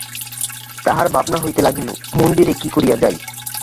তাঁহার ভাবনা হইতে লাগিল, মন্দিরে কী করিয়া যাই।